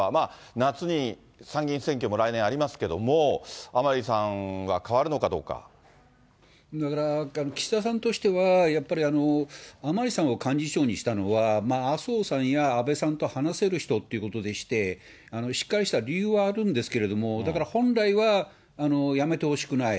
夏に参議院選挙も来年ありますけれども、だから、岸田さんとしては、やっぱり甘利さんを幹事長にしたのは、麻生さんや安倍さんと話せる人っていうことでして、しっかりした理由はあるんですけれども、だから本来は、辞めてほしくない。